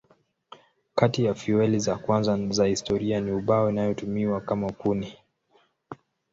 Kati ya fueli za kwanza za historia ni ubao inayotumiwa kama kuni.